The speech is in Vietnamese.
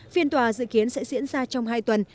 phiên tòa dự kiến sẽ diễn ra trong hai tuần